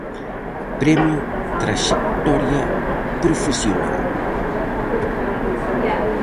Premio Traxectoria Profesional.